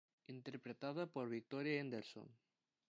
Interpretada por Victoria Henderson.